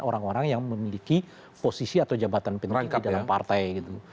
orang orang yang memiliki posisi atau jabatan penting di dalam partai gitu